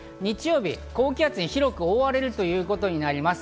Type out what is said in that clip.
日曜日、高気圧に広く覆われるということになります。